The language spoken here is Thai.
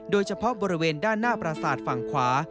โดยเฉพาะบริเวณด้านหน้าประสาทฝั่งขวา